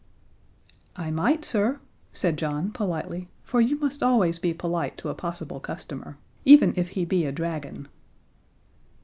"I might, sir," said John, politely, for you must always be polite to a possible customer, even if he be a dragon.